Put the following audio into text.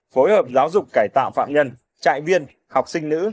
phối hợp giáo dục cải tạo phạm nhân trại viên học sinh nữ